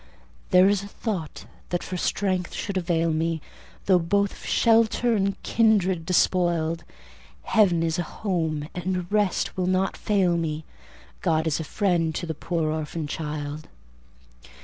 There is a thought that for strength should avail me, Though both of shelter and kindred despoiled; Heaven is a home, and a rest will not fail me; God is a friend to the poor orphan child."